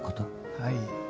はい。